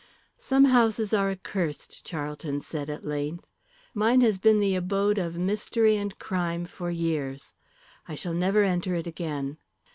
"Some houses are accursed," Charlton said at length. "Mine has been the abode of mystery and crime for years. I shall never enter it again.